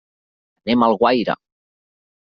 Anem a Alguaire.